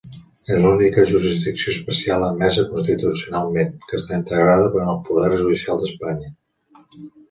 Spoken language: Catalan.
És l'única jurisdicció especial admesa constitucionalment que està integrada en el poder judicial d'Espanya.